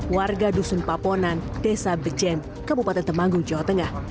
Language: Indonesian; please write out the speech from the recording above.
warga dusun paponan desa bejen kabupaten temanggung jawa tengah